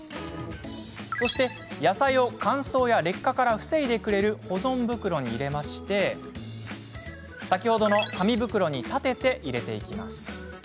そして、野菜を乾燥や劣化から防いでくれる保存袋に入れ先ほどの紙袋に立てて入れていきます。